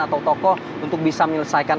atau tokoh untuk bisa menyelesaikan